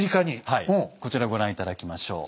こちらご覧頂きましょう。